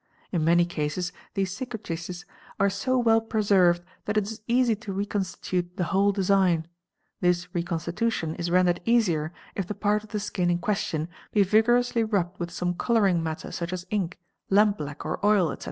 In many cases these cicatrices are so well preserved that it is easy to reconstitute the _ whole design ; this reconstitution is rendered easier if the part of the skin in question be vigorously rubbed with some colouring matter such as ink, ~ lamp black, or oil, etc.